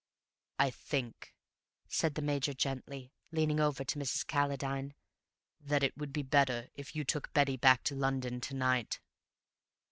"I think," said the Major gently, leaning over to Mrs. Calladine, "that it would be better if you took Betty back to London to night."